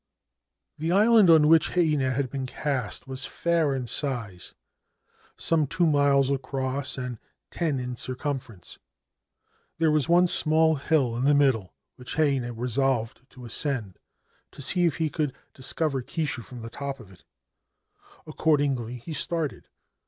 The island on which Heinei had been cast was fair in size — some two miles across and ten in circumference. There was one small hill in the middle, which Heinei resolved to ascend, to see if he could discover Kishu from the top of it. Accordingly he started.